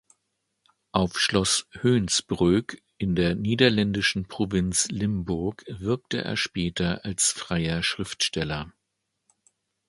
Auf Schloss Hoensbroek in der niederländischen Provinz Limburg wirkte er später als freier Schriftsteller.